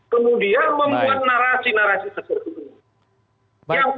kemudian menggunakan narasi narasi seperti itu